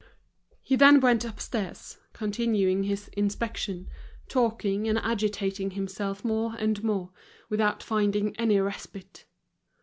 He then went upstairs, continuing his inspection, talking, and agitating himself more and more, without finding any respite.